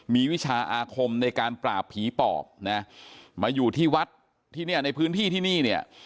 มีวิชาอาคมในการปราบผีปอบนะมาอยู่ที่วัดที่เนี่ยในพื้นที่ที่นี่เนี่ย